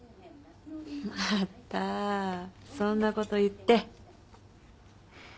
またそんなこと言って。